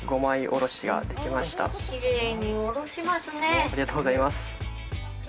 ありがとうございます。